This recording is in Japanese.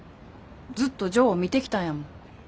ずっとジョーを見てきたんやもん。